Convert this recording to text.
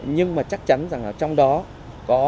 nhưng mà chắc chắn rằng là trong đó có